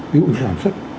ví dụ như sản xuất